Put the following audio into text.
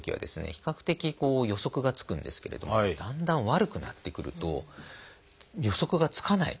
比較的予測がつくんですけれどもだんだん悪くなってくると予測がつかない。